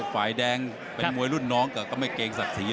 ฝ่ายแดงเป็นมวยรุ่นน้องแต่ก็ไม่เกรงศักดิ์ศรี